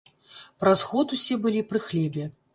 Праз год усе былі пры хлебе.